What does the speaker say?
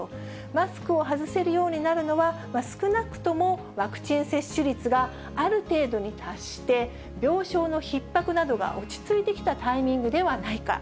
マスクを外せるようになるのは、少なくともワクチン接種率がある程度に達して、病床のひっ迫などが落ち着いてきたタイミングではないか。